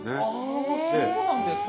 あそうなんですか。